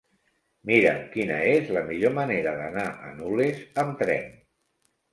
Mira'm quina és la millor manera d'anar a Nules amb tren.